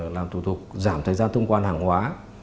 làm thủ tục giảm thời gian thông quan hàng hóa